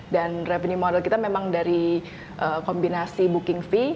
dan revenue model kita memang dari kombinasi booking fee